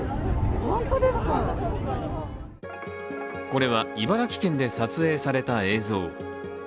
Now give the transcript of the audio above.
これは茨城県で撮影された映像。